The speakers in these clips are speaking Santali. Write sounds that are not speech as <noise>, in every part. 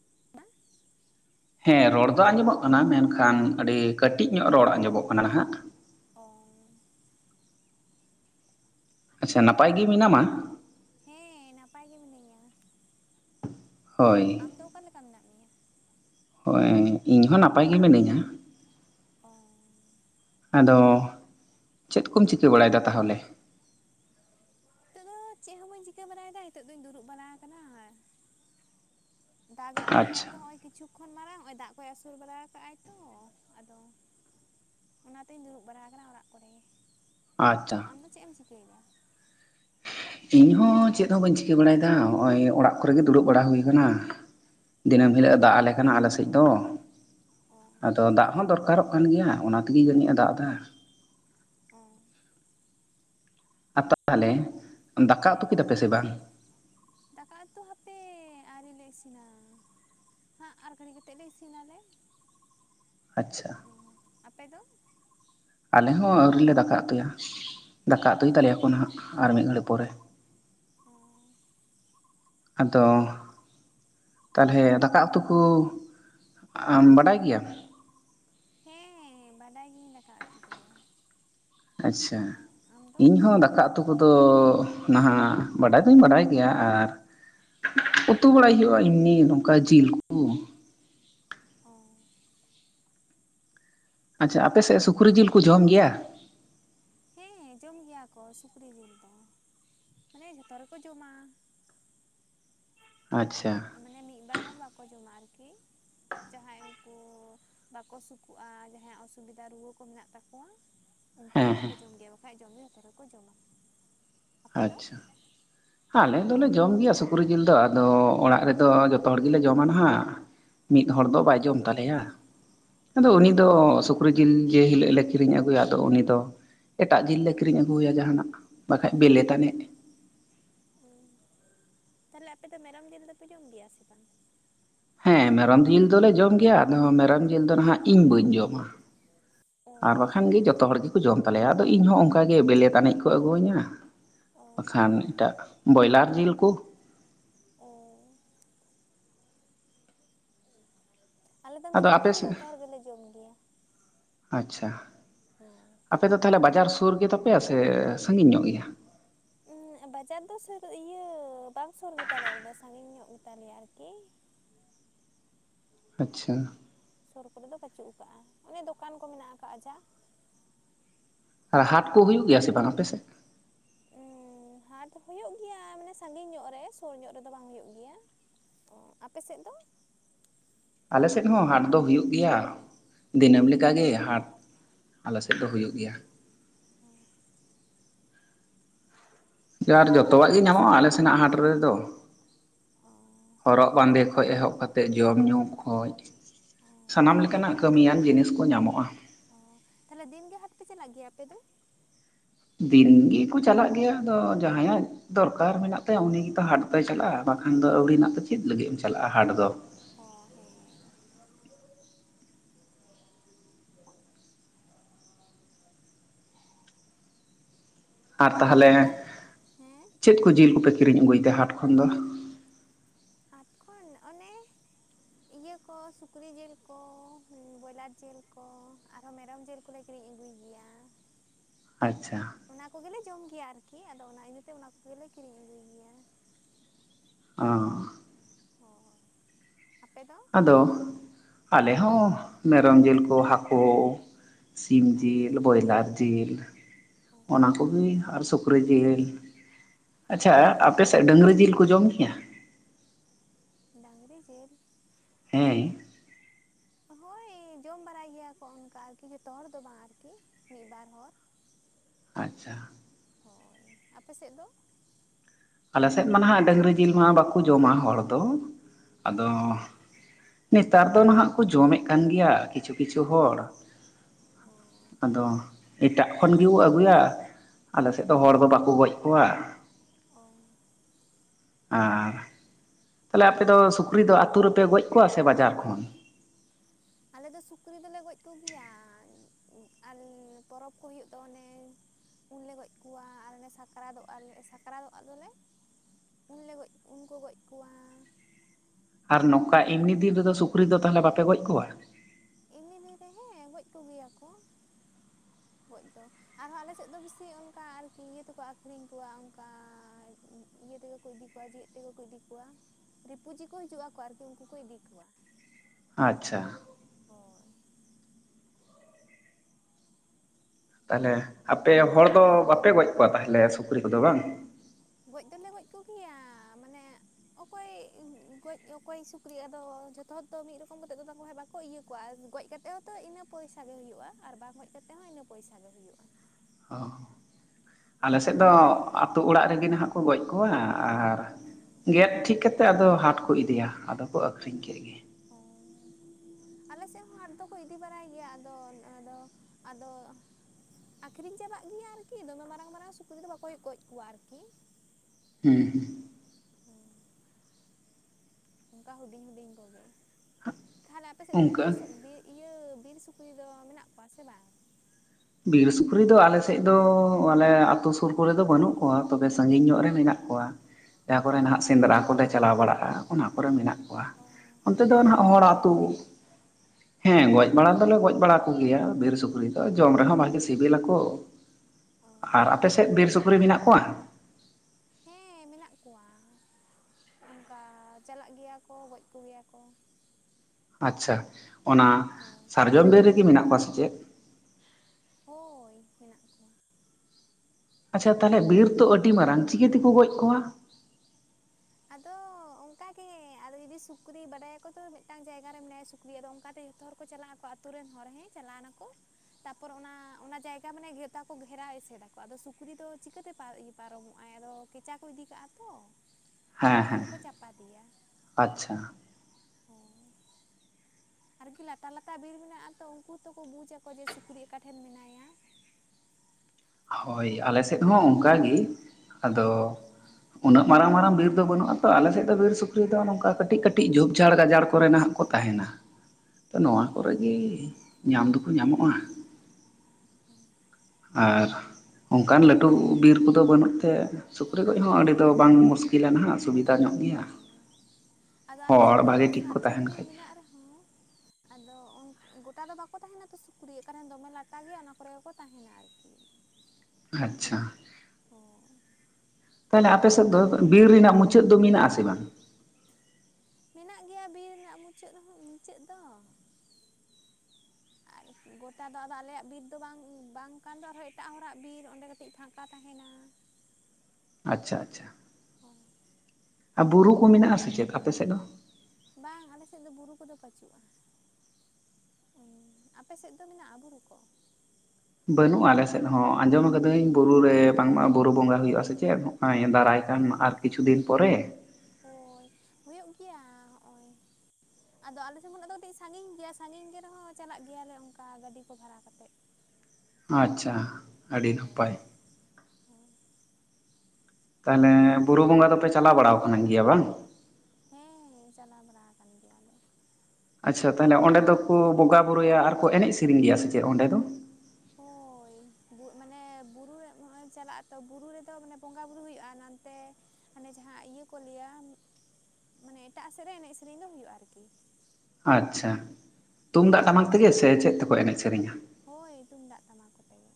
<unintelligible> ᱦᱮᱸ ᱨᱚᱲ ᱫᱚ ᱟᱡᱚᱢᱚᱜ ᱠᱟᱱᱟ ᱢᱮᱱ ᱠᱷᱟᱱ ᱟᱹᱰᱤ ᱠᱟᱹᱴᱤᱡ ᱧᱚᱜ ᱨᱚᱲ ᱟᱸᱡᱚᱢᱚᱜ ᱠᱟᱱᱟ ᱦᱟᱸᱜ ᱾ <unintelligible> ᱟᱪᱪᱷᱟ ᱱᱟᱯᱟᱭ ᱜᱤ ᱢᱮᱱᱟᱢᱟ? ᱦᱮᱸ ᱱᱟᱯᱟᱭ ᱜᱮ ᱢᱤᱱᱟᱹᱧᱼᱟ ᱾ ᱦᱳᱭ ᱟᱢᱫᱚ ᱚᱠᱟ ᱞᱮᱠᱟ ᱢᱮᱱᱟᱜ ᱢᱮᱭᱟ? ᱦᱳᱭ ᱤᱧ ᱦᱚᱸ ᱱᱟᱯᱟᱭ ᱜᱮ ᱢᱤᱱᱤᱧᱼᱟ ᱾ <unintelligible> ᱟᱫᱚ ᱪᱮᱫ ᱠᱚᱢ ᱪᱤᱠᱟᱹ ᱵᱟᱲᱟᱭᱮᱫᱟ ᱛᱟᱦᱚᱞᱮ? ᱱᱤᱛᱚᱜ ᱫᱚ ᱪᱮᱫ ᱦᱚᱸ ᱵᱟᱹᱧ ᱪᱤᱠᱟᱹ ᱵᱟᱲᱟᱭᱮᱫᱟ ᱱᱤᱛᱚᱜ ᱫᱚ ᱫᱩᱲᱩᱵ ᱵᱟᱲᱟ ᱠᱟᱱᱟ ᱾ ᱫᱟᱜ ᱮᱫ ᱛᱟᱦᱮᱸᱜ ᱟᱭ ᱟᱪᱪᱷᱟ ᱛᱚ ᱦᱚᱜᱼᱚᱭ ᱠᱤᱪᱷᱩ ᱠᱷᱚᱱ ᱢᱟᱨᱟᱝ ᱱᱚᱜᱼᱚᱭ ᱫᱟᱜ ᱠᱚᱭ ᱟᱹᱥᱩᱲ ᱵᱟᱲᱟ ᱟᱠᱟᱜᱼᱟᱭ ᱛᱚ, ᱟᱫᱚ ᱚᱱᱟᱛᱮᱧ ᱫᱩᱲᱩᱵ ᱵᱟᱲᱟ ᱟᱠᱟᱱᱟ ᱚᱲᱟᱜ ᱠᱚᱨᱮ ᱾ ᱟᱪᱪᱷᱟ᱾ ᱟᱢᱫᱚ ᱪᱮᱫ ᱮᱢ ᱪᱤᱠᱟᱹᱭᱮᱫᱟ? ᱤᱧᱦᱚᱸ ᱪᱮᱫ ᱦᱚᱸ ᱵᱟᱹᱧ ᱪᱤᱠᱟᱹ ᱵᱟᱲᱟᱭᱮᱫᱟ, ᱱᱚᱜᱼᱚᱭ ᱚᱲᱟᱜ ᱠᱚᱨᱮ ᱜᱮ ᱫᱩᱲᱩᱵ ᱵᱟᱲᱟ ᱦᱩᱭ ᱠᱟᱱᱟ ᱾ ᱫᱤᱱᱟᱹᱢ ᱚ ᱦᱤᱞᱳᱜ ᱫᱟᱜ ᱟᱞᱮ ᱠᱟᱱᱟ ᱟᱞᱮᱥᱮᱡ ᱫᱚ, ᱚ ᱟᱫᱚ ᱫᱟᱜ ᱦᱚᱸ ᱫᱚᱨᱠᱟᱨᱚᱜ ᱠᱟᱱ ᱜᱮᱭᱟ, ᱚᱱᱟ ᱛᱮᱜᱮ ᱡᱟᱹᱱᱤᱡ ᱮ ᱫᱟᱜ ᱮᱫᱟ ᱾ <unintelligible> <unintelligible> ᱛᱟᱦᱚᱞᱮ ᱫᱟᱠᱟ ᱩᱛᱩ ᱦᱮᱸ ᱠᱮᱫᱟ ᱯᱮ ᱥᱮ ᱵᱟᱝ ᱫᱟᱠᱟ ᱩᱛᱩ ᱦᱟᱯᱮ ᱟᱹᱶᱨᱤ ᱞᱮ ᱤᱥᱤᱱᱟ᱾ ᱦᱟᱸᱜ ᱟᱨ ᱠᱟᱴᱤᱡ ᱠᱟᱛᱮᱮᱫ ᱞᱮ ᱤᱥᱤᱱ ᱟᱞᱮ ᱾ ᱟᱪᱪᱷᱟ᱾ ᱟᱯᱮ ᱫᱚ? ᱟᱞᱮ ᱦᱚᱸ ᱟᱹᱣᱨᱤᱞᱮ ᱫᱟᱠᱟ ᱩᱛᱩᱭᱟ, ᱫᱟᱠᱟ ᱚ ᱩᱛᱩᱭ ᱛᱟᱞᱮᱭᱟᱠᱚ ᱱᱟᱦᱟᱜ ᱟᱨ ᱢᱤᱫ ᱜᱷᱟᱹᱲᱤᱡ ᱯᱚᱨᱮ ᱾ ᱦᱮᱸ ᱟᱫᱚ ᱛᱟᱦᱚᱞᱮ ᱫᱟᱠᱟ ᱩᱛᱩ ᱠᱚ ᱟᱢ ᱵᱟᱰᱟᱭ ᱜᱮᱭᱟ? ᱦᱮᱸᱻ ᱵᱟᱰᱟᱭ ᱜᱤᱭᱟᱹᱧ ᱫᱟᱠᱟ ᱩᱛᱩ ᱠᱚᱫᱚ ᱾ ᱟᱪᱪᱷᱟ, ᱤᱧᱦᱚᱸ ᱫᱟᱠᱟ ᱩᱛᱩ ᱠᱚᱫᱚ ᱱᱟᱦᱟᱜ ᱵᱟᱰᱟᱭ ᱫᱚᱧ ᱵᱟᱰᱟᱭ ᱜᱮᱭᱟ, ᱟᱨ ᱩᱛᱩ ᱵᱟᱲᱟᱭ ᱦᱩᱭᱩᱜᱼᱟ ᱮᱢᱱᱤ ᱱᱚᱝᱠᱟ ᱡᱤᱞ ᱠᱩ ᱾ ᱚᱻ ᱟᱪᱪᱷᱟ, ᱟᱯᱮ ᱥᱮᱫ ᱥᱩᱠᱨᱤ ᱡᱤᱞ ᱠᱚ ᱡᱚᱢ ᱜᱮᱭᱟ? ᱦᱮᱸ ᱡᱚᱢ ᱜᱮᱭᱟ ᱠᱚ ᱥᱩᱠᱨᱤ ᱡᱤᱞ ᱫᱚ, ᱢᱟᱱᱮ ᱡᱷᱚᱛᱚ ᱨᱮᱠᱚ ᱡᱚᱢᱟ᱾ ᱟᱪᱪᱷᱟ, ᱢᱟᱱᱮ ᱢᱤᱜ ᱵᱟᱨ ᱦᱚᱲ ᱵᱟᱠᱚ ᱡᱚᱢᱟ ᱟᱨᱠᱤ, ᱡᱟᱦᱟᱸᱭ ᱠᱚ ᱵᱟᱠᱚ ᱥᱩᱠᱚᱜᱼᱟ ᱡᱟᱦᱟᱸᱭ ᱚᱥᱩᱵᱤᱫᱷᱟ ᱨᱩᱣᱟᱹ ᱠᱚ ᱢᱮᱱᱟᱜ ᱛᱟᱠᱚᱣᱟ, ᱩᱱᱠᱩ ᱠᱚ ᱦᱮᱸ ᱵᱟᱠᱚ ᱦᱮᱸ ᱡᱚᱢ ᱜᱮᱭᱟ ᱵᱟᱠᱷᱟᱡ ᱡᱚᱢ ᱫᱚ ᱡᱷᱚᱛᱚ ᱦᱚᱲ ᱜᱮᱠᱚ ᱡᱚᱢᱟ᱾ ᱟᱯᱮ ᱫᱚ? ᱟᱪᱪᱷᱟ ᱟᱞᱮ ᱫᱚᱞᱮ ᱡᱚᱢ ᱜᱮᱭᱟ ᱥᱩᱠᱨᱤ ᱡᱤᱞ ᱫᱚ ᱟᱫᱚ ᱚᱲᱟᱜ ᱨᱮᱫᱚ ᱡᱚᱛᱚ ᱦᱚᱲ ᱜᱮᱞᱮ ᱡᱚᱢᱟ ᱱᱟᱦᱟᱜ᱾ ᱢᱤᱫ ᱦᱚᱲ ᱫᱚ ᱚ ᱵᱟᱭ ᱡᱚᱢ ᱛᱟᱞᱮᱭᱟ ᱾ ᱚ ᱟᱫᱚ ᱩᱱᱤ ᱫᱚ ᱥᱩᱠ ᱥᱩᱠᱩᱨᱤ ᱡᱤᱞ ᱡᱮ ᱦᱤᱞᱳᱜ ᱞᱮ ᱠᱤᱨᱤᱧ ᱟᱹᱜᱩᱭᱟ, ᱟᱫᱚ ᱩᱱᱤ ᱫᱚ ᱮᱴᱟᱜ ᱡᱤᱞ ᱞᱮ ᱠᱤᱨᱤᱧ ᱟᱹᱜᱩᱭᱟ ᱡᱟᱦᱟᱱᱟᱜ᱾ ᱚ ᱵᱟᱠᱷᱟᱡ ᱵᱮᱞᱮ ᱛᱟᱱᱤᱡ ᱚ, ᱛᱟᱦᱚᱞᱮ ᱟᱯᱮ ᱫᱚ ᱢᱮᱨᱚᱢ ᱡᱤᱞ ᱫᱚᱯᱮ ᱡᱚᱢ ᱜᱮᱭᱟ ᱥᱮ ᱵᱟᱝ? ᱦᱮᱸ ᱢᱮᱨᱚᱢ ᱡᱤᱞ ᱫᱚᱞᱮ ᱡᱚᱢ ᱜᱮᱭᱟ, ᱟᱫᱚ ᱢᱮᱨᱚᱢ ᱡᱤᱞ ᱫᱚ ᱱᱟᱦᱟᱜ ᱤᱧ ᱵᱟᱹᱧ ᱡᱚᱢᱟ ᱾ ᱚᱻ ᱵᱟᱠᱷᱟᱱ ᱫᱚ ᱡᱚᱛᱚ ᱦᱚᱲ ᱜᱮᱠᱚ ᱡᱚᱢ ᱛᱟᱞᱮᱭᱟ, ᱟᱫᱚ ᱤᱧ ᱦᱚᱸ ᱚᱱᱠᱟ ᱜᱮ ᱵᱮᱞᱮ ᱛᱟᱹᱱᱤᱡ ᱠᱚ ᱟᱹᱜᱩᱧᱟ᱾ ᱚ ᱵᱟᱠᱷᱟᱱ ᱮᱴᱟᱜ ᱵᱚᱭᱞᱟᱨ ᱡᱤᱞ ᱠᱚ᱾ ᱚᱻ ᱟᱞᱮ ᱫᱚ ᱟᱫᱚ ᱢᱮᱨᱟᱢ ᱟᱯᱮ ᱡᱤᱞ ᱫᱚ ᱥᱮᱫ ᱡᱷᱚᱛᱚ ᱦᱚᱲ ᱜᱮᱞᱮ ᱡᱚᱢ ᱜᱮᱭᱟ᱾ ᱟᱪᱪᱷᱟ ᱦᱳᱭ᱾ ᱟᱯᱮ ᱫᱚ ᱛᱟᱦᱚᱞᱮ ᱵᱟᱡᱟᱨ ᱥᱩᱨ ᱜᱮ ᱛᱟᱯᱮᱭᱟ ᱥᱮ ᱥᱟᱺᱜᱤᱧ ᱧᱚᱜ ᱜᱮᱭᱟ? ᱵᱟᱡᱟᱨ ᱫᱚ ᱥᱩᱨ ᱤᱭᱟᱹ ᱵᱟᱝ ᱥᱩᱨ ᱜᱮ ᱛᱟᱞᱮᱭᱟ ᱟᱞᱮ ᱫᱚ ᱥᱟᱺᱜᱤᱧ ᱧᱚᱜ ᱜᱮ ᱛᱟᱞᱮᱭᱟ ᱟᱨᱠᱤ᱾ ᱟᱪᱪᱷᱟ ᱥᱳᱨ ᱠᱚᱨᱮ ᱫᱚ ᱵᱟᱪᱩᱜ ᱟᱠᱟᱜᱼᱟ, ᱚᱱᱮ ᱫᱚᱠᱟᱱ ᱠᱚ ᱢᱮᱱᱟᱜ ᱟᱠᱟᱫᱼᱟ ᱡᱟ᱾ ᱟᱨ ᱦᱟᱴ ᱠᱚ ᱦᱩᱭᱩᱜ ᱜᱮᱭᱟ ᱥᱮ ᱵᱟᱝ ᱟᱯᱮᱥᱮᱫ? ᱮᱸ ᱦᱟᱴ ᱦᱩᱭᱩᱜ ᱜᱮᱭᱟ ᱢᱟᱱᱮ ᱥᱟᱺᱜᱤᱧ ᱧᱚᱜ ᱨᱮ ᱥᱩᱨ ᱧᱚᱜ ᱨᱮᱫᱚ ᱵᱟᱝ ᱦᱩᱭᱩᱜ ᱜᱮᱭᱟ᱾ ᱚᱻ ᱟᱯᱮ ᱥᱮᱫ ᱫᱚ? ᱟᱞᱮ ᱥᱮᱫ ᱦᱚᱸ ᱦᱟᱴ ᱫᱚ ᱦᱩᱭᱩᱜ ᱜᱮᱭᱟ, ᱫᱤᱱᱟᱹᱢ ᱞᱮᱠᱟᱜ ᱜᱮ ᱦᱟᱴ ᱟᱞᱮ ᱚᱻ ᱥᱮᱫ ᱫᱚ ᱦᱩᱭᱩᱜ ᱜᱮᱭᱟ ᱚ ᱟᱨ ᱪᱟᱞᱟᱣ ᱵᱟᱲᱟᱜ ᱡᱚᱛᱚᱣᱟᱜ ᱜᱮ ᱜᱮᱭᱟ ᱯᱮ ᱥᱮ ᱧᱟᱢᱚᱜᱼᱟ ᱟᱞᱮ ᱵᱟᱝ ᱥᱮᱱᱟᱜ ᱦᱟᱴ ᱨᱮᱫᱚ᱾ ᱚ ᱦᱚᱨᱚᱜ ᱵᱟᱸᱫᱮ ᱠᱷᱚᱡ ᱮᱦᱚᱵ ᱠᱟᱛᱮᱫ ᱡᱚᱢ ᱧᱩ ᱠᱷᱚᱡ᱾ ᱚ ᱥᱟᱱᱟᱢ ᱞᱮᱠᱟᱱᱟᱜ ᱠᱟᱹᱢᱤᱭᱟᱱ ᱡᱤᱱᱤᱥ ᱠᱚ ᱧᱟᱢᱚᱜᱼᱟ᱾ ᱚ, ᱛᱟᱦᱚᱞᱮ ᱫᱤᱱᱜᱮ ᱦᱟᱴ ᱯᱮ ᱪᱟᱞᱟᱜ ᱜᱮᱭᱟ ᱟᱯᱮ ᱫᱚ? ᱫᱤᱱ ᱜᱮᱠᱚ ᱪᱟᱞᱟᱜ ᱜᱮᱭᱟ ᱟᱫᱚ ᱡᱟᱦᱟᱸᱭᱟᱜ ᱫᱚᱨᱠᱟᱨ ᱢᱮᱱᱟᱜ ᱛᱟᱭᱟ ᱩᱱᱤ ᱜᱮᱛᱚ ᱦᱟᱴ ᱫᱚᱭ ᱪᱟᱞᱟᱜᱼᱟ᱾ ᱵᱟᱠᱷᱟᱱ ᱫᱚ ᱟᱹᱣᱲᱤ ᱨᱮᱱᱟᱜ ᱫᱚ ᱪᱮᱫ ᱞᱟᱹᱜᱤᱫ ᱮᱢ ᱪᱟᱞᱟᱜᱼᱟ ᱦᱟᱴ ᱫᱚ᱾ ᱚ ᱦᱮᱸᱻ ᱟᱨ ᱛᱟᱦᱚᱞᱮ ᱦᱮᱸ ᱪᱮᱫ ᱠᱚ ᱡᱤᱞ ᱠᱚᱯᱮ ᱠᱤᱨᱤᱧ ᱟᱹᱜᱩᱭ ᱛᱮ ᱦᱟᱴ ᱠᱷᱚᱱ ᱫᱚ? ᱦᱟᱴ ᱠᱷᱚᱱ ᱚᱱᱮᱻ ᱤᱭᱟᱹ ᱠᱚ, ᱥᱩᱠᱨᱤ ᱡᱮᱞ ᱠᱚ, ᱵᱚᱭᱞᱟᱨ ᱡᱮᱞ ᱠᱚ ᱟᱨᱦᱚᱸ ᱢᱮᱨᱚᱢ ᱡᱮᱞ ᱠᱚᱞᱮ ᱠᱤᱨᱤᱧ ᱟᱹᱜᱩᱭ ᱜᱮᱭᱟ᱾ ᱟᱪᱪᱷᱟ ᱚᱱᱟ ᱠᱚᱜᱮᱞᱮ ᱡᱚᱢ ᱜᱮᱭᱟ ᱟᱨᱠᱤ, ᱟᱫᱚ ᱚᱱᱟ ᱤᱭᱟᱹᱛᱮ ᱚᱱᱟ ᱠᱚᱜᱮᱞᱮ ᱠᱤᱨᱤᱧ ᱟᱹᱜᱩᱭ ᱜᱮᱭᱟ᱾ ᱚᱻ ᱦᱳᱭ, ᱟᱯᱮᱫᱚ? ᱟᱫᱚ ᱟᱞᱮ ᱦᱚᱸ ᱢᱮᱨᱚᱢ ᱡᱮᱞ ᱠᱚ ᱦᱟᱠᱳ ᱥᱤᱢ ᱡᱤᱞ, ᱵᱚᱭᱞᱟᱨ ᱡᱤᱞ ᱚᱱᱟᱠᱜᱮ ᱟᱨ ᱥᱩᱠ ᱠᱨᱤ ᱡᱮᱞ, ᱟᱪᱪᱷᱟ ᱟᱯᱮᱥᱮᱫ ᱰᱟᱹᱝᱨᱤ ᱡᱤᱞ ᱠᱚ ᱡᱚᱢ ᱜᱤᱭᱟ? ᱰᱟᱝᱨᱤ ᱡᱤᱞ? ᱦᱮᱸ ᱦᱳᱭ ᱡᱚᱢ ᱵᱟᱨᱟᱭ ᱜᱮᱭᱟ ᱠᱚ ᱚᱱᱠᱟ ᱟᱨᱠᱤ ᱡᱚᱛᱚ ᱦᱚᱲ ᱫᱚ ᱵᱟᱝ ᱟᱨᱠᱤ ᱢᱤᱫ ᱵᱟᱨ ᱦᱚᱲ᱾ ᱟᱪᱪᱷᱟ ᱦᱳᱭ᱾ ᱟᱯᱮ ᱥᱮᱫ ᱫᱚ? ᱟᱞᱮ ᱥᱮᱫ ᱢᱟ ᱱᱟᱦᱟᱜ ᱰᱟᱝᱨᱤ ᱡᱤᱞ ᱢᱟ ᱵᱟᱠᱚ ᱡᱚᱢᱟ ᱦᱚᱲ ᱫᱚ, ᱟᱫᱚ ᱱᱮᱛᱟᱨ ᱫᱚ ᱱᱟᱦᱟᱜ ᱠᱚ ᱡᱚᱢᱮᱫ ᱠᱟᱱ ᱜᱤᱭᱟ ᱠᱤᱪᱷᱩ ᱠᱤᱪᱷᱩ ᱦᱚᱲ᱾ ᱟᱫᱚ, ᱮᱴᱟᱜ ᱠᱷᱚᱱ ᱜᱮᱣ ᱟᱹᱜᱩᱭᱟ ᱟᱞᱮᱥᱮᱫ ᱫᱚ ᱦᱚᱲ ᱫᱚ ᱵᱟᱠᱚ ᱜᱚᱡ ᱠᱚᱣᱟ᱾ ᱚ ᱟᱨ ᱛᱟᱦᱞᱮ ᱟᱯᱮ ᱫᱚ ᱥᱩᱠᱨᱤ ᱫᱚ ᱟᱹᱛᱩ ᱨᱮᱯᱮ ᱜᱚᱡ ᱠᱚᱣᱟ ᱥᱮ ᱵᱟᱡᱟᱨ ᱠᱷᱚᱱ? ᱟᱞᱮ ᱫᱚ ᱥᱩᱠᱨᱤ ᱫᱚᱞᱮ ᱜᱚᱡ ᱠᱚᱜᱮᱭᱟ ᱟᱞ ᱯᱚᱨᱚᱵᱽ ᱠᱚ ᱦᱩᱭᱩᱜ ᱫᱚ ᱚᱱᱮ ᱩᱱᱞᱮ ᱜᱚᱡ ᱠᱚᱣᱟ ᱟᱨ ᱚᱱᱮ ᱥᱟᱠᱨᱟᱛᱚᱜᱼᱟᱞᱮ ᱥᱟᱠᱨᱟᱛᱚᱜ ᱫᱚᱞᱮ, ᱩᱱᱞᱮ ᱜᱚᱡ ᱩᱱᱠᱚ ᱜᱚᱡ ᱠᱚᱣᱟ᱾ ᱟᱨ ᱱᱚᱝᱠᱟ ᱟᱨ ᱮᱢᱱᱤ ᱫᱤᱱ ᱨᱮᱫᱚ ᱥᱩᱠᱨᱤ ᱫᱚ ᱛᱟᱦᱚᱞᱮ ᱵᱟᱯᱮ ᱜᱚᱡ ᱠᱚᱣᱟ? ᱤᱢᱱᱤ ᱫᱤᱱ ᱨᱮ ᱦᱮᱸ ᱜᱚᱡ ᱠᱚᱜᱮᱭᱟᱠᱚ, ᱜᱚᱡ ᱫᱚ ᱟᱨᱦᱚᱸ ᱟᱞᱮ ᱥᱮᱫ ᱫᱚ ᱵᱮᱥᱤ ᱚᱱᱠᱟ ᱟᱨᱠᱤ ᱤᱭᱟᱹ ᱛᱮᱠᱚ ᱟᱠᱷᱨᱤᱧ ᱠᱚᱣᱟ ᱚᱱᱠᱟᱻᱻ ᱤᱭᱟᱹ ᱛᱮᱜᱮ ᱠᱚ ᱤᱫᱤ ᱠᱚᱣᱟ ᱡᱮᱣᱮᱫ ᱛᱮᱜᱮ ᱠᱚ ᱤᱫᱤ ᱠᱚᱣᱟ ᱨᱤᱯᱩᱡᱤ ᱠᱚ ᱦᱤᱡᱩᱜ ᱟᱠᱚ ᱟᱨᱠᱤ ᱩᱱᱠᱩ ᱠᱚ ᱤᱫᱤ ᱠᱚᱣᱟ᱾ ᱟᱪᱪᱷᱟ᱾ ᱦᱚᱭ ᱛᱟᱦᱚᱞᱮ ᱟᱯᱮ ᱦᱚᱲ ᱫᱚ ᱵᱟᱯᱮ ᱜᱚᱡ ᱠᱚᱣᱟ ᱛᱟᱦᱚᱞᱮ ᱥᱩᱠᱨᱤ ᱠᱚᱫᱚ ᱵᱟᱝ? ᱜᱚᱡ ᱫᱚᱞᱮ ᱜᱚᱡ ᱠᱚᱜᱤᱭᱟ ᱢᱟᱱᱮᱼᱼ ᱚᱠᱚᱭ ᱜᱚᱡ ᱚᱠᱚᱭ ᱥᱩᱠᱨᱤ ᱟᱫᱚ ᱡᱷᱚᱛᱚ ᱛᱚ ᱢᱤᱫ ᱨᱚᱠᱚᱢ ᱠᱟᱛᱮᱫ ᱫᱚ ᱛᱟᱨᱯᱚᱨᱮ ᱦᱟᱸᱜ ᱵᱟᱝᱠᱚ ᱤᱭᱟᱹ ᱠᱚᱣᱟ ᱜᱚᱡᱼᱼ ᱛᱮ ᱦᱚᱸᱛᱚ ᱤᱱᱟᱹ ᱯᱚᱭᱥᱟ ᱜᱮ ᱦᱩᱭᱩᱜᱼᱟ ᱟᱨ ᱵᱟᱝ ᱦᱮᱡ ᱠᱟᱛᱮ ᱦᱚᱸ ᱤᱱᱟᱹ ᱯᱚᱭᱥᱟ ᱜᱮ ᱦᱩᱭᱩᱜᱼᱟ᱾ ᱚ ᱦᱳᱭ ᱟᱞᱮᱥᱮᱫ ᱫᱚ ᱤᱱᱟᱹᱛᱮ ᱟᱹᱛᱩᱳ ᱚᱲᱟᱜ ᱨᱮᱜᱮ ᱱᱟᱦᱟᱜ ᱠᱚ ᱜᱚᱡ ᱠᱚᱣᱟ ᱟᱨᱼᱼ <inaudible> ᱜᱮᱫ ᱴᱷᱤᱠ ᱠᱟᱛᱮᱫ ᱟᱫᱚ ᱦᱟᱴ ᱠᱚ ᱤᱫᱤᱭᱟ ᱟᱫᱚ ᱠᱚ ᱟᱹᱷᱨᱤᱧ ᱠᱮᱫ ᱜᱮ᱾ ᱚᱸᱻ ᱟᱞᱮ ᱥᱮᱱ ᱦᱚᱸ ᱦᱟᱴ ᱫᱚᱠᱚ ᱤᱫᱤ ᱵᱟᱲᱟᱭ ᱜᱮᱭᱟ ᱟᱫᱚ ᱱᱚᱫᱚ ᱟᱫᱚᱼᱼ ᱟᱠᱷᱨᱤᱧ ᱪᱟᱵᱟᱜ ᱜᱤᱭᱟ ᱟᱨᱠᱤ ᱫᱚᱢᱮ ᱢᱟᱨᱟᱝ ᱢᱟᱨᱟᱝ ᱥᱩᱠᱨᱤ ᱫᱚ ᱚᱠᱚᱭ ᱜᱚᱡ ᱠᱚᱣᱟ ᱟᱨᱠᱤ ᱦᱩᱢ ᱦᱩᱸ ᱚᱱᱠᱟ ᱦᱩᱰᱤᱧ ᱦᱩᱰᱤᱧ ᱠᱚᱜᱮ ᱛᱟᱦᱚᱞᱮ ᱟᱯᱮᱥᱮᱫ ᱫᱚ ᱚᱱᱠᱟ ᱵᱤᱨ ᱥᱩ ᱵᱤᱼᱼ ᱤᱭᱟᱹ ᱵᱤᱨ ᱥᱩᱠᱨᱤ ᱫᱚ ᱢᱮᱱᱟᱜ ᱠᱚᱣᱟ ᱥᱮ ᱵᱟᱝ? ᱵᱤᱨ ᱥᱩᱠᱨᱤ ᱫᱚ ᱟᱞᱮᱥᱮᱫ ᱫᱚ ᱟᱞᱮ ᱟᱛᱩ ᱥᱩᱨ ᱠᱚᱨᱮᱫᱚ ᱵᱟᱹᱱᱩᱜ ᱠᱚᱣᱟ ᱛᱚᱵᱮ ᱥᱟᱜᱤᱧ ᱧᱚᱜ ᱨᱮ ᱢᱮᱱᱟᱜ ᱠᱚᱣᱟ᱾ <inaudible> ᱡᱟᱦᱟᱸ ᱠᱚᱨᱮ ᱱᱟᱦᱟᱜ ᱥᱮᱸᱫᱽᱨᱟ ᱠᱚᱞᱮ ᱪᱟᱞᱟᱣ ᱵᱟᱲᱟᱜᱼᱟ ᱚᱱᱟ ᱠᱚᱨᱮ ᱢᱮᱱᱟᱜ᱾ ᱚ ᱚᱱᱛᱮ ᱫᱚ ᱜᱚᱡ ᱱᱟᱦᱟᱜ ᱵᱟᱲᱟ ᱦᱚᱲ ᱟᱛᱩ ᱠᱚᱜᱮᱭᱟᱯᱮ ᱦᱮᱸ ᱜᱚᱡ ᱵᱟᱲᱟ ᱫᱚᱞᱮ ᱜᱚᱡ ᱵᱟᱲᱟ ᱠᱚᱜᱮᱭᱟ ᱵᱤᱨ ᱥᱩᱠᱨᱤ ᱫᱚ ᱡᱚᱢ ᱨᱮᱦᱚᱸ ᱵᱷᱟᱜᱤ ᱥᱤᱵᱤᱞᱟᱠᱚ ᱚ ᱟᱨ ᱟᱯᱮ ᱥᱮᱫ ᱵᱤᱨ ᱥᱩᱠᱨᱤ ᱢᱮᱱᱟᱜ ᱠᱚᱣᱟ? ᱦᱮᱸ ᱢᱮᱱᱟᱜ ᱠᱚᱣᱟ ᱚᱱᱠᱟ ᱪᱟᱞᱟᱜ ᱜᱮᱭᱟᱠᱚ ᱜᱚᱡ ᱠᱚᱜᱮᱭᱟᱠᱚ ᱟᱪᱪᱷᱟ ᱚᱱᱟ ᱦᱳᱭ ᱥᱟᱨᱡᱚᱢ ᱵᱤᱨ ᱨᱮᱜᱮ ᱢᱮᱱᱟᱜ ᱠᱚᱣᱟ ᱥᱮᱪᱮᱫ? ᱦᱳᱭ ᱢᱮᱱᱟᱜ ᱠᱚᱣᱟ ᱟᱪᱪᱷᱟ ᱛᱟᱦᱚᱞᱮ ᱵᱤᱨ ᱛᱚ ᱟᱹᱰᱤ ᱢᱟᱨᱟᱝ ᱪᱤᱠᱟᱹ ᱛᱮᱠᱚ ᱜᱚᱡ ᱠᱚᱣᱟ? ᱟᱫᱚ ᱚᱱᱠᱟ ᱜᱮ ᱟᱫᱚ ᱡᱩᱫᱤ ᱥᱩᱠᱨᱤ ᱵᱟᱰᱟᱭᱟᱠᱚ ᱛᱚ ᱢᱤᱫᱴᱟᱝ ᱡᱟᱭᱜᱟ ᱨᱮ ᱢᱮᱱᱟᱭᱟ ᱥᱩᱠᱨᱤ ᱟᱫᱚ ᱚᱱᱠᱟᱛᱮᱼᱼ ᱛᱚ ᱦᱚᱨ ᱠᱚ ᱪᱟᱞᱟᱜ ᱟᱠᱚ ᱟᱛ ᱨᱮᱱ ᱦᱚᱨ ᱦᱮᱸ ᱪᱟᱞᱟᱣ ᱱᱟᱠᱚ, ᱛᱟᱯᱚᱨ ᱚᱱᱟ ᱚᱱᱟ ᱡᱟᱭᱜᱟ ᱢᱟᱱᱮ ᱡᱛᱟ ᱠᱚ ᱜᱷᱮᱨᱟ ᱮᱥᱮᱫᱟᱠᱚ ᱟᱫᱚ ᱥᱩᱠᱨᱤ ᱫᱚ ᱪᱤᱠᱟᱹᱛᱮ ᱯᱟᱼᱼ ᱯᱟᱨᱚᱢᱚᱜ ᱟᱭ ᱟᱫᱚ ᱠᱮᱪᱟ ᱠᱚ ᱤᱫᱤ ᱠᱟᱜᱼᱟ ᱠᱚ ᱦᱮᱸ ᱱᱚᱣᱟ ᱦᱮᱸ ᱛᱮᱠᱚ ᱪᱟᱯᱟᱫᱭᱟ ᱟᱪᱪᱷᱟ᱾ ᱦᱩᱢ ᱟᱨᱠᱤ ᱞᱟᱴᱟ ᱞᱟᱴᱟ ᱵᱤᱨ ᱢᱮᱱᱟᱜᱼᱟ ᱛᱚ ᱩᱱᱠᱩ ᱛᱠᱚ ᱵᱩᱡ ᱟᱠᱚ ᱡᱮ ᱥᱩᱠᱨᱤ ᱚᱠᱟᱴᱷᱮᱱ ᱢᱮᱱᱟᱭᱟ᱾ ᱦᱳᱭ ᱟᱞᱮ ᱥᱮᱫ ᱦᱚᱸ ᱚᱱ ᱠᱟᱜᱮ᱾ ᱟᱫᱚ? ᱩᱱᱟᱹᱜ ᱢᱟᱨᱟᱝ ᱢᱟᱨᱟᱝ ᱵᱤᱨ ᱫᱚ ᱵᱟᱹᱱᱩᱜᱼᱟ ᱛᱚ ᱟᱞᱮ ᱥᱮᱫ ᱫᱚ ᱵᱤᱨ ᱥᱩᱠᱨᱤ ᱫᱚ ᱱᱚᱝᱠᱟ ᱠᱟᱹᱴᱤᱡ ᱠᱟᱹᱴᱤᱡ ᱡᱷᱩᱯ ᱡᱷᱟᱲ ᱜᱟᱡᱟᱲ ᱠᱚᱨᱮ ᱱᱟᱦᱟᱜ ᱠᱚ ᱛᱟᱦᱮᱱᱟ᱾ ᱚ ᱱᱚᱣᱟ ᱠᱚᱨᱮ ᱜᱮ ᱧᱟᱢ ᱫᱚᱠᱚ ᱧᱟᱢᱚᱜᱼᱟ᱾ ᱚ ᱟᱨ ᱚᱱᱠᱟᱱ ᱞᱟᱹᱴᱩ ᱵᱤᱨ ᱠᱚᱫᱚ ᱵᱟᱹᱱᱩᱜ ᱛᱮ ᱚ ᱥᱩᱠᱨᱤ ᱠᱚ ᱦᱚᱸ ᱟᱹᱰᱤ ᱚ ᱫᱚ ᱵᱟᱝ ᱢᱩᱥᱠᱤᱞᱼᱼ <unintelligible> ᱥᱩᱵᱤᱫᱟ ᱧᱚᱜ ᱜᱮᱭᱟ ᱦᱮᱸ ᱟᱫᱚ ᱟᱞᱮ ᱥᱮᱫ ᱦᱚᱲ ᱫᱚ ᱵᱷᱟᱜᱮ ᱴᱷᱤᱠ ᱠᱚ ᱥᱟᱨᱡᱚᱢ ᱛᱟᱦᱮᱱ ᱵᱤᱨ ᱠᱷᱟᱡ ᱢᱮᱱᱟᱜ ᱨᱮᱦᱚᱸᱼᱼ ᱟᱫᱚ, ᱜᱚᱴᱟ ᱫᱚ ᱵᱟᱠᱚ ᱛᱟᱦᱮᱱᱟ ᱛᱚ ᱥᱩᱠᱨᱤ ᱟᱠᱟᱨᱮ ᱫᱚᱢᱮ ᱞᱟᱴᱟ ᱜᱮᱭᱟ ᱚᱱᱟ ᱠᱚᱨᱮ ᱜᱮᱠᱚ ᱛᱟᱦᱮᱱᱟ ᱟᱨᱠᱤ᱾ <inaudible> ᱟᱪᱪᱷᱟ ᱦᱚᱸ ᱛᱟᱦᱚᱞᱮ ᱟᱯᱮ ᱥᱮᱫ ᱫᱚ ᱵᱤᱨ ᱨᱮᱱᱟᱜ ᱢᱩᱪᱟᱹᱫ ᱫᱚ ᱢᱮᱱᱟᱜ ᱟᱥᱮ ᱵᱟᱝ? ᱢᱮᱱᱟᱜ ᱜᱮᱭᱟ ᱵᱤᱨ ᱨᱮᱱᱟᱜ ᱢᱩᱪᱟᱹᱫ ᱦᱚᱸ ᱢᱩᱪᱟᱹᱫ ᱫᱚ᱾ ᱟᱨ ᱜᱚᱴᱟ ᱫᱚ ᱟᱫᱚ ᱟᱞᱮᱭᱟᱜ ᱵᱤᱨ ᱫᱚ ᱵᱟᱝ ᱵᱟᱝ ᱠᱟᱱ ᱫᱚ ᱟᱨᱦᱚ ᱮᱴᱟᱜ ᱦᱚᱲᱟᱜ ᱵᱤᱨ ᱚᱸᱰᱮ ᱠᱟᱹᱴᱤᱡ ᱯᱷᱟᱠᱟᱼᱼ ᱯᱷᱟᱠᱟ ᱛᱟᱦᱮᱱᱟ᱾ ᱟᱪᱪᱷᱟ ᱟᱪᱪᱷᱟ᱾ ᱦᱚᱸ ᱟᱨ ᱵᱩᱨᱩ ᱠᱚ ᱢᱮᱱᱟᱜᱼᱟ ᱥᱮ ᱪᱮᱫ ᱟᱯᱮ ᱥᱮᱜ ᱦᱚᱸ? ᱵᱟᱝ ᱟᱞᱮ ᱥᱮᱫ ᱫᱚ ᱵᱩᱨᱩ ᱠᱚᱫᱚ ᱯᱟᱪᱩᱜᱼᱟ। ᱩᱸᱻ ᱟᱯᱮᱥᱮᱫ ᱫᱚ ᱢᱮᱱᱟᱜᱼᱟ ᱵᱩᱨᱩ ᱠᱚ? ᱵᱟᱹᱱᱩᱜᱼᱟ ᱟᱞᱮ ᱥᱮᱫ ᱦᱚᱸ ᱟᱡᱚᱢ ᱟᱠᱟᱫᱟᱹᱧ ᱵᱩᱨᱩ ᱨᱮ ᱵᱟᱝᱢᱟ ᱵᱩᱨᱩ ᱵᱚᱸᱜᱟ ᱦᱩᱭᱩᱜᱼᱟ ᱥᱮ ᱪᱮᱫ? ᱱᱚᱜᱼᱚᱭ ᱫᱟᱨᱟᱭ ᱚ ᱠᱟᱱ ᱟᱨ ᱠᱤᱪᱷᱩ ᱫᱤᱱ ᱯᱚᱨᱮ ᱦᱳᱭ ᱦᱳᱭᱳᱜ ᱜᱮᱭᱟ ᱱᱚᱜᱼᱚᱭ ᱟᱫᱚ ᱟᱞᱮᱥᱮᱱ ᱠᱷᱚᱱᱟᱜ ᱫᱚ ᱠᱟᱹᱴᱤᱡ ᱥᱟ. ᱜᱤᱧ ᱜᱮᱭᱟ ᱥᱟ. ᱜᱤᱧ ᱜᱮ ᱨᱮᱦᱚ ᱪᱟᱞᱟᱜ ᱜᱮᱭᱟᱞᱮ ᱚᱱᱠᱟ ᱜᱟᱹᱰᱤ ᱠᱚ ᱵᱷᱟᱲᱟ ᱠᱟᱛᱮ ᱟᱪᱪᱷᱟ ᱟᱹᱰᱤ ᱱᱟᱯᱟᱭ ᱦᱳᱭ ᱦᱳᱭ ᱛᱟᱞᱦᱮ ᱵᱩᱨᱩ ᱵᱚᱸᱜᱟ ᱫᱚᱯᱮ ᱪᱟᱞᱟᱣ ᱵᱟᱲᱟᱣ ᱠᱟᱱ ᱜᱮᱭᱟ ᱵᱟᱝ? ᱦᱮᱸ ᱪᱟᱞᱟᱣ ᱵᱟᱲᱟᱣ ᱠᱟᱱ ᱜᱮᱭᱟᱞᱮ ᱟᱪᱪᱷᱟ ᱛᱟᱞᱦᱮ ᱚᱸᱰᱮ ᱫᱚᱠᱚ ᱵᱚᱸᱜᱟ ᱵᱩᱨᱩᱭᱟ ᱟᱨ ᱠᱚ ᱮᱱᱮᱡ ᱥᱮᱨᱮᱧ ᱜᱮᱭᱟ ᱥᱮ ᱪᱮᱫ ᱚᱸᱰᱮ ᱫᱚ? ᱦᱳᱭ ᱵᱩ ᱢᱟᱱᱮ ᱵᱩᱨᱩ ᱨᱮ ᱱᱚᱜ-ᱚᱭ ᱪᱟᱞᱟᱜ-ᱟ ᱛᱚ ᱵᱩᱨᱩ ᱨᱮᱫᱚ ᱢᱟᱱᱮ ᱵᱚᱸᱜᱟ ᱵᱩᱨᱩ ᱦᱩᱭᱩᱜᱼᱟ ᱱᱚᱱᱛᱮ ᱦᱟᱱᱮ ᱡᱟᱦᱟ ᱤᱭᱟᱹ ᱠᱚ ᱞᱟᱹᱭᱟ ᱢᱟᱱᱮ ᱮᱴᱟᱜ ᱥᱮᱫ ᱨᱮ ᱮᱱᱮᱡ ᱥᱮᱨᱮᱧ ᱫᱚ ᱦᱩᱭᱩᱜᱼᱟ ᱟᱨᱠᱤ ᱟᱪᱪᱷᱟ ᱛᱩᱢᱫᱟᱜ ᱦᱳᱭ ᱴᱟᱢᱟᱠ ᱛᱮᱜᱮ ᱥᱮ ᱪᱮᱫ ᱛᱮᱠᱚ ᱮᱱᱮᱡ ᱥᱮᱨᱮᱧᱟ? ᱦᱳᱭ ᱛᱩᱢᱫᱟᱜ ᱴᱟᱢᱟᱠ ᱠᱚᱛᱮ ᱜᱮ।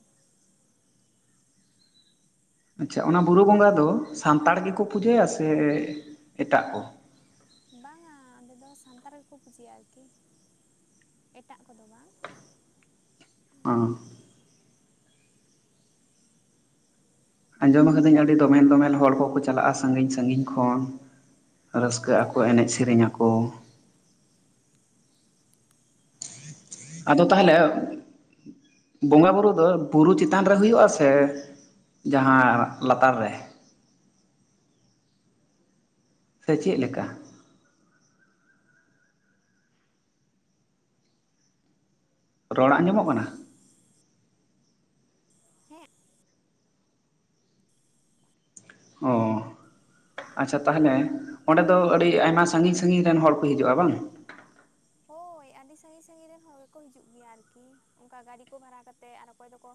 ᱟᱪᱪᱷᱟ ᱚᱱᱟ ᱵᱩᱨᱩ ᱵᱚᱸᱜᱟ ᱫᱚ ᱥᱟᱱᱛᱟᱲ ᱜᱮᱠᱚ ᱯᱩᱡᱟᱹᱭᱟ ᱥᱮ ᱮᱴᱟᱜ ᱠᱚ? ᱵᱟᱝᱟ ᱚᱸᱰᱮ ᱫᱚ ᱥᱟᱱᱛᱟᱲ ᱜᱮᱠᱚ ᱯᱩᱡᱟᱹᱭᱟ ᱟᱨᱠᱤ ᱮᱴᱟᱜ ᱠᱚᱫᱚ ᱵᱟᱝ। ᱚ ᱟᱸᱡᱚᱢ ᱟᱠᱟᱫᱟᱹᱧ ᱟᱹᱰᱤ ᱫᱚᱢᱮᱞ ᱫᱚᱢᱮᱞ ᱦᱚᱲ ᱠᱚᱠᱚ ᱪᱟᱞᱟᱜᱼᱟ ᱥᱟᱹᱜᱤᱧ ᱥᱟᱹᱜᱤᱧ ᱠᱷᱚᱱ, ᱦᱳᱭ ᱨᱟᱹᱥᱠᱟᱹᱜ ᱟᱠᱚ ᱪᱟᱞᱟᱜ ᱮᱱᱮᱡ ᱜᱮᱭᱟ ᱠᱚ ᱥᱮᱨᱮᱧ ᱟᱠᱚ। ᱟᱫᱚ ᱛᱟᱦᱚᱞᱮ ᱵᱚᱸᱜᱟ ᱵᱩᱨᱩ ᱫᱚ ᱵᱩᱨᱩ ᱪᱮᱛᱟᱱ ᱨᱮ ᱦᱩᱭᱩᱜ ᱟ ᱥᱮ, ᱡᱟᱦᱟᱸ ᱞᱟᱛᱟᱨ ᱨᱮ? ᱥᱮ ᱪᱮᱜ ᱞᱮᱠᱟ? ᱨᱚᱲ ᱟᱸᱡᱚᱢᱚᱜ ᱠᱟᱱᱟ? ᱦᱮᱸ ᱚ ᱟᱪᱪᱷᱟ ᱛᱟᱦᱚᱞᱮ ᱚᱸᱰᱮ ᱫᱚ ᱟᱹᱰᱤ ᱟᱭᱢᱟ ᱥᱟᱹᱜᱤᱧ ᱥᱟᱹᱜᱤᱧ ᱨᱮᱱ ᱦᱚᱲ ᱠᱚ ᱦᱤᱡᱩᱜᱼᱟ ᱵᱟᱝ? ᱦᱳᱭ ᱟᱹᱰᱤ ᱥᱟᱹᱜᱤᱧ ᱥᱟᱹᱜᱤᱧ ᱨᱮᱱ ᱦᱚᱲ ᱜᱮᱠᱚ ᱦᱤᱡᱩᱜ ᱜᱮᱭᱟ ᱟᱨᱠᱤ ᱚᱝᱠᱟ ᱜᱟᱹᱰᱤ ᱠᱚ ᱵᱷᱟᱲᱟ ᱠᱟᱛᱮᱜ ᱟᱨ ᱚᱠᱚᱭ ᱫᱚᱠᱚ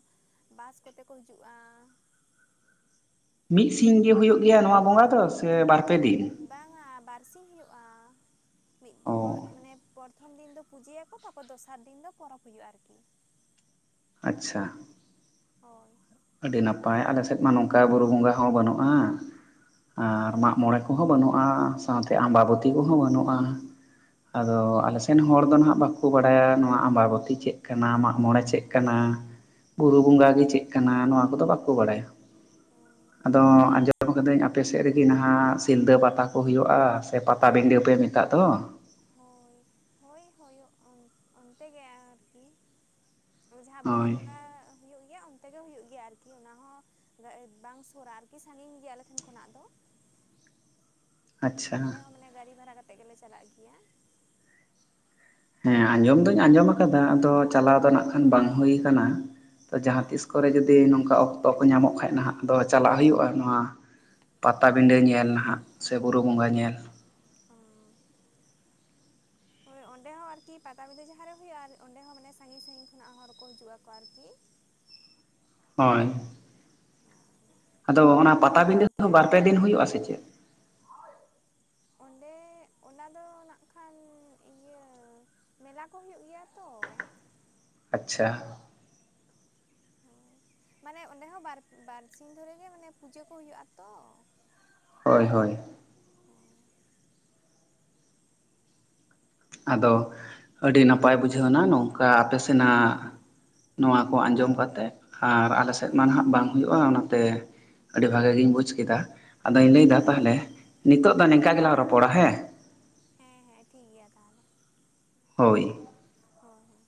ᱵᱟᱥ ᱠᱚᱛᱮ ᱠᱚ ᱦᱤᱡᱩᱜᱼᱟ ᱢᱤ ᱥᱤᱧ ᱜᱮ ᱦᱩᱭᱩᱜ ᱜᱮᱭᱟ ᱱᱚᱣᱟ ᱵᱚᱸᱜᱟ ᱫᱚ ᱥᱮ ᱵᱟᱨ ᱯᱮ ᱫᱤᱱ? ᱵᱟᱝᱟ ᱵᱟᱨ ᱥᱤᱧ ᱦᱩᱭᱩᱜᱼᱟ ᱢᱤᱫ ᱯᱚᱨ ᱚ ᱢᱟᱱᱮ ᱯᱚᱨ ᱯᱚᱛᱷᱚᱢ ᱫᱤᱱ ᱫᱚ ᱯᱩᱡᱟᱹᱭᱟᱠᱚ ᱛᱟᱯᱚᱨ ᱫᱚᱥᱟᱨ ᱫᱤᱱ ᱫᱚ ᱯᱚᱨᱚᱵᱽ ᱦᱩᱭᱩᱜᱼᱟ ᱟᱨᱠᱤ ᱟᱪᱪᱷᱟ ᱦᱳᱭ ᱟᱹᱰᱤ ᱱᱟᱯᱟᱭ ᱟᱞᱮ ᱥᱮᱫ ᱢᱟ ᱱᱚᱝᱠᱟ ᱵᱩᱨᱩ ᱵᱚᱸᱜᱟ ᱦᱚᱸ ᱵᱟᱹᱱᱩᱜᱼᱟ ᱟᱨ ᱢᱟᱜᱢᱚᱬᱮ ᱠᱚᱦᱚᱸ ᱵᱟᱹᱱᱩᱜᱼᱟ ᱥᱟᱶᱛᱮ ᱟᱢᱵᱟᱵᱚᱛᱤ ᱛᱤ ᱠᱚᱦᱚᱸ ᱵᱟᱹᱱᱩᱜᱼᱟ ᱟᱫᱚ ᱟᱞᱮ ᱥᱮᱱ ᱦᱚᱲ ᱫᱚ ᱱᱟᱼᱦᱟᱸᱜ ᱵᱟᱠᱚ ᱵᱟᱲᱟᱭᱟ ᱱᱚᱣᱟ ᱟᱢᱵᱟᱵᱚᱛᱤ ᱪᱮᱫ ᱠᱟᱱᱟ ᱢᱟᱜᱢᱚᱬᱮ ᱪᱮᱜ ᱠᱟᱱᱟ ᱵᱩᱨᱩ ᱵᱚᱸᱜᱟ ᱜᱮ ᱪᱮᱜ ᱠᱟᱱᱟ ᱱᱚᱣᱟ ᱠᱚᱫᱚ ᱵᱟᱠᱚ ᱵᱟᱲᱟᱭᱟ। ᱟᱫᱚ ᱟᱸᱡᱚ ᱟᱸᱡᱚᱢ ᱟᱠᱟᱫᱟᱹᱧ ᱟᱯᱮ ᱥᱮᱫ ᱨᱮᱜᱮ ᱱᱟ-ᱦᱟᱸᱜ ᱥᱤᱞᱫᱟᱹ ᱯᱟᱛᱟ ᱠᱚ ᱦᱳᱭᱳᱜᱼᱟ ᱥᱮ ᱯᱟᱛᱟᱵᱤᱰᱟᱹ ᱯᱮ ᱢᱮᱛᱟᱜ ᱫᱚ ᱦᱳᱭ ᱦᱳᱭ ᱦᱳᱭᱳᱜ ᱚᱱ ᱚᱱᱛᱮ ᱜᱮ ᱟᱨᱠᱤ ᱡᱟᱦᱟᱸ ᱵᱩᱨᱩ ᱦᱳᱭ ᱵᱚᱸᱜᱟ ᱦᱩᱭᱩᱜ ᱜᱮᱭᱟ ᱚᱱᱛᱮ ᱜᱮ ᱦᱩᱭᱩᱜ ᱜᱮᱭᱟ ᱟᱨᱠᱤ ᱚᱱᱟᱦᱚᱸ ᱵᱟᱝ ᱥᱩᱨᱟ ᱟᱨᱠᱤ ᱥᱟᱹᱜᱤᱧ ᱜᱮᱭᱟ ᱟᱞᱮ ᱴᱷᱮᱱ ᱠᱷᱚᱱᱟᱜ ᱫᱚ ᱟᱪᱪᱷᱟ ᱚᱸᱰᱮ ᱦᱚᱸ ᱢᱟᱱᱮ ᱜᱟᱹᱲᱤ ᱵᱷᱟᱲᱟ ᱠᱟᱛᱮᱜ ᱜᱮᱞᱮ ᱪᱟᱞᱟᱜ ᱜᱮᱭᱟ। ᱦᱮᱸ ᱟᱸᱡᱚᱢ ᱫᱩᱧ ᱟᱸᱡᱚᱢ ᱟᱠᱟᱫᱟ ᱟᱫᱚ ᱪᱟᱞᱟᱣ ᱫᱚ ᱱᱟᱜ ᱠᱷᱟᱱ ᱵᱟᱝ ᱦᱩᱭ ᱠᱟᱱᱟ ᱛᱚ ᱡᱟᱦᱟᱸ ᱛᱤᱥ ᱠᱚᱨᱮ ᱡᱩᱫᱤ ᱱᱚᱝᱠᱟ ᱚᱠ ᱛᱚ ᱠᱚ ᱧᱟᱢᱚᱜ ᱠᱷᱟᱡ ᱱᱟᱦᱟᱸᱜ ᱟᱫᱚ ᱪᱟᱞᱟᱜ ᱦᱩᱭᱩᱜᱼᱟ ᱱᱚᱣᱟ ᱯᱟᱛᱟᱵᱤᱰᱟᱹ ᱧᱮᱞ ᱱᱟᱦᱟᱸᱜ ᱥᱮ ᱵᱩᱨᱩ ᱵᱚᱸᱜᱟ ᱧᱮᱞ। ᱚᱻ ᱦᱳᱭ ᱚᱸᱰᱮ ᱦᱚᱸ ᱟᱨᱠᱤ ᱯᱟᱴᱟᱵᱤᱰᱟᱹ ᱡᱟᱦᱟᱸᱨᱮ ᱦᱩᱭᱩᱜ-ᱟ ᱟᱨ ᱚᱸᱰᱮ ᱦᱚᱸ ᱢᱟᱱᱮ ᱥᱟᱺᱜᱤᱧ ᱥᱟᱺᱜᱤᱧ ᱠᱷᱚᱱᱟᱜ ᱦᱚᱲ ᱠᱚ ᱦᱤᱡᱩᱜ-ᱟ ᱟᱨᱠᱤ <inaudible> ᱦᱳᱭ ᱦᱩ <inaudible> ᱟᱫᱚ ᱚᱱᱟ ᱯᱟᱴᱟᱵᱤᱸᱰᱟᱹ ᱵᱟᱨ ᱯᱮ ᱫᱤᱱ ᱦᱩᱭᱩᱜ-ᱟ ᱥᱮ ᱪᱮᱫ? ᱚᱸᱰᱮ ᱚᱱᱟ ᱫᱚ ᱱᱟᱜ ᱠᱷᱟᱱ ᱤᱭᱟᱹ ᱢᱮᱞᱟ ᱠᱚ ᱦᱩᱭᱩᱜ ᱜᱮᱭᱟ ᱛᱚ᱾ ᱟᱪᱪᱷᱟ ᱦᱩᱸ ᱢᱟᱱᱮ ᱚᱸᱰᱮ ᱦᱚᱸ ᱵᱟᱨ ᱵᱟᱨ ᱥᱤᱧ ᱫᱷᱚᱨᱮ ᱜᱮ ᱢᱟᱱᱮ ᱯᱩᱡᱟᱹ ᱠᱚ ᱦᱩᱭᱩᱜ-ᱟ ᱛᱚ ᱦᱳᱭ ᱦᱳᱭ ᱦᱩᱸ ᱟᱫᱚ ᱟᱹᱰᱤ ᱱᱟᱯᱟᱭ ᱵᱩᱡᱷᱟᱹᱣᱱᱟ, ᱱᱚᱝᱠᱟ ᱟᱯᱮ ᱦᱮᱸ ᱥᱮᱱᱟᱜ ᱱᱚᱣᱟ ᱠᱚ ᱟᱸᱡᱚᱢ ᱠᱟᱛᱮ ᱟᱨ ᱟᱞᱮ ᱦᱮᱸ ᱥᱮᱫ ᱢᱟ ᱦᱮᱸ ᱱᱟᱦᱟᱸᱜ ᱵᱟᱝ ᱦᱩᱭᱩᱜ-ᱟ ᱚᱱᱟᱛᱮ ᱟᱹᱰᱤ ᱵᱷᱟᱜᱮ ᱜᱤᱧ ᱵᱩᱡ ᱠᱮᱫᱟ ᱟᱫᱚᱧ ᱞᱟᱹᱭ ᱫᱟ ᱚ ᱛᱟᱦᱚᱞᱮ ᱱᱤᱛᱳᱜ ᱫᱚ ᱱᱤᱝᱠᱟ ᱦᱮᱸ ᱜᱮᱞᱟᱝ ᱨᱚᱯᱚᱲ ᱟ ᱦᱮᱸ ᱦᱮᱸ ᱦᱮᱸ ᱴᱷᱤᱠ ᱜᱮᱭᱟ ᱛᱟᱦᱚᱞᱮ ᱦᱳᱭ ᱦᱳᱭ ᱦᱳᱭ